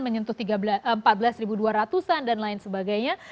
menyentuh empat belas dua ratus an dan lain sebagainya